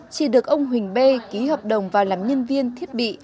chị được ông huỳnh bê ký hợp đồng vào làm nhân viên thiết bị